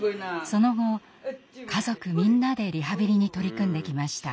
その後家族みんなでリハビリに取り組んできました。